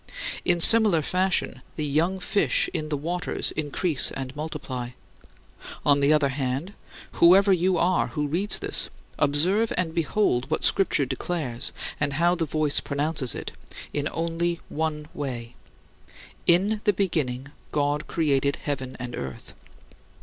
In similar fashion, the "young fish" in "the waters" increase and multiply. On the other hand, whoever you are who reads this, observe and behold what Scripture declares, and how the voice pronounces it in only one way, "In the beginning God created heaven and earth."